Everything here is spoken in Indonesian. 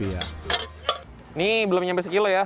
ini belum nyampe satu kg ya